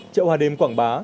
chợ hòa đêm quảng bá